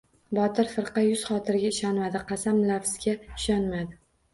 Botir firqa... yuz-xotirga ishonmadi, qasam-lafzga ishonmadi.